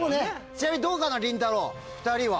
ちなみにどうかなりんたろう２人は。